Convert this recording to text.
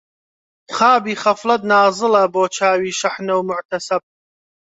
خابی غەفڵەت نازڵە بۆ چاوی شەحنە و موحتەسەب